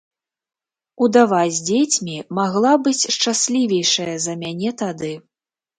Удава з дзецьмі магла быць шчаслівейшая за мяне тады.